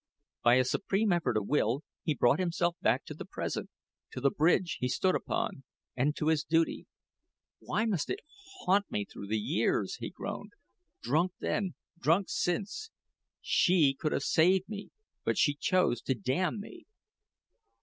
By a supreme effort of will, he brought himself back to the present, to the bridge he stood upon, and to his duty. "Why must it haunt me through the years?" he groaned; "drunk then drunk since. She could have saved me, but she chose to damn me."